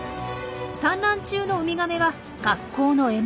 産卵中のウミガメは格好の獲物。